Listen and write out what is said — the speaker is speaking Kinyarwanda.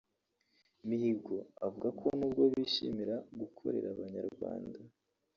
Mihigo avuga ko nubwo bishimira gukorera abanyarwanda